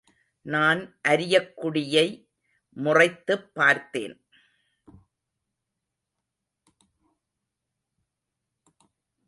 நான் அரியக்குடியை முறைத்துப் பார்த்தேன்.